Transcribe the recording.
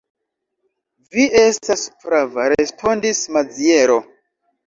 Vi estas prava, respondis Maziero.